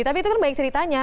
tapi itu kan baik ceritanya